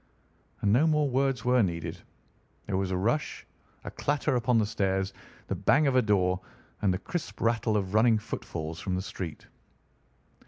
And no more words were needed. There was a rush, a clatter upon the stairs, the bang of a door, and the crisp rattle of running footfalls from the street.